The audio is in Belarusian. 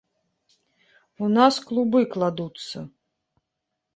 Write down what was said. У нас клубы кладуцца!